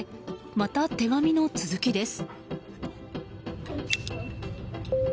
また手紙の続きです。